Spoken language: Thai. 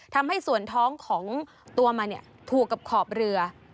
ทำให้ส่วนท้องของตัวมันถูกกับขอบเรือ